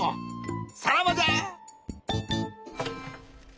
さらばじゃ！